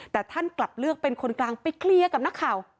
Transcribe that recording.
แต่ท่านกลับเลือกเป็นคนกลางไปเคลียร์กับนักข่าว